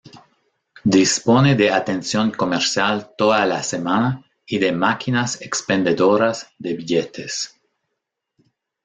Dispone de atención comercial toda la semana y de máquinas expendedoras de billetes.